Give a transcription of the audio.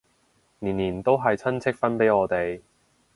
年年都係親戚分俾我哋